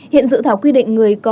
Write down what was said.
hiện dự thảo quy định người có